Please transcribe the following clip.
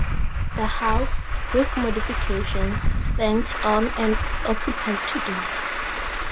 The house, with modifications, stands on and is occupied today.